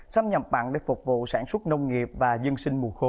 xâm nhập mặn để phục vụ sản xuất nông nghiệp và dân sinh mùa khô